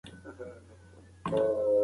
دا کیسه موږ ته د باطن او ظاهر توپیر راښيي.